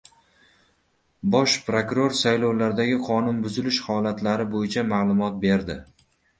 Bosh prokuror saylovlardagi qonunbuzilish holatlari bo‘yicha ma’lumot berdi